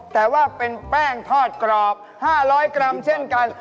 แต่ว่าเป็นแป้งทอดกรอบ๕๐๐กรัมเช่นกัน